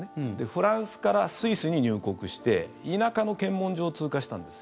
フランスからスイスに入国して田舎の検問所を通過したんです。